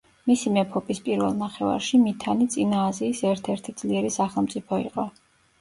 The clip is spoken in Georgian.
მისი მეფობის პირველ ნახევარში მითანი წინა აზიის ერთ-ერთი ძლიერი სახელმწიფო იყო.